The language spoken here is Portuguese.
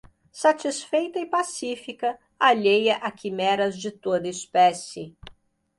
satisfeita e pacífica, alheia a quimeras de toda espécie